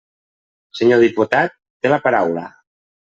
Senyor diputat, té la paraula.